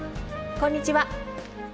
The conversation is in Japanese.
こんにちは。